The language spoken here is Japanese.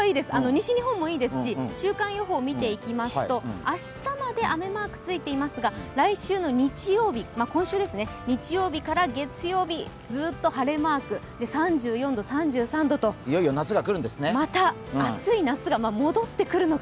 西日本もいいですし週間予報を見ていきますと明日まで雨マークついてますが今週の日曜日から木曜日、ずっと晴れマーク、３４度、３３度と、また暑い夏が戻ってくると。